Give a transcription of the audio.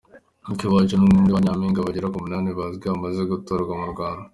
Akiwacu ni umwe muri ba Nyampinga bagera ku munani bazwi bamaze gutorwa mu Rwanda.